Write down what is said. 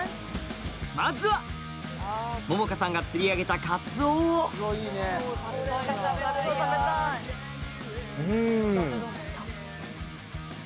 まずは百々絵さんが釣り上げたカツオをうん！